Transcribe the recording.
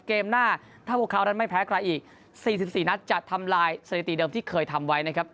หน้าถ้าพวกเขานั้นไม่แพ้ใครอีก๔๔นัดจะทำลายสถิติเดิมที่เคยทำไว้นะครับ